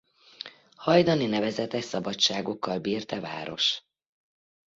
Hajdani nevezetes szabadságokkal bírt e’ Város.